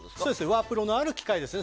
ワープロのある機械です。